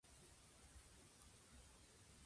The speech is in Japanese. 温かいスープを飲んだ。